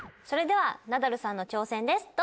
それではナダルさんの挑戦です。